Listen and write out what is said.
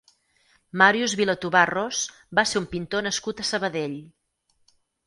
Màrius Vilatobà Ros va ser un pintor nascut a Sabadell.